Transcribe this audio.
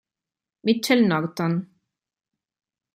Mitchell Norton